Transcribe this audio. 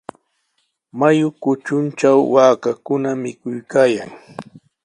Mayu kutruntraw waakakuna mikuykaayan.